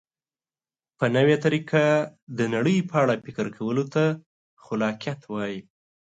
په نوې طریقه د نړۍ په اړه فکر کولو ته خلاقیت وایي.